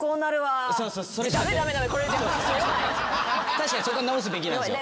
確かにそこは直すべきなんすよ。